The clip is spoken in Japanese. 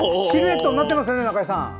シルエットになってますね、中井さん。